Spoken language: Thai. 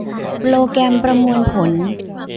โปรแกรมประมวลผล